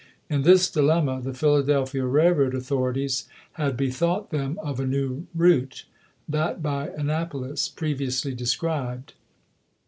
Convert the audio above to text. In this dilemma, the Phila delphia railroad authorities had bethought them of a new route — that by Annapolis, previously de scribed.